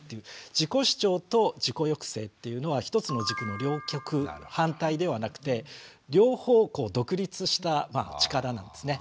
自己主張と自己抑制っていうのは一つの軸の両極反対ではなくて両方独立した力なんですね。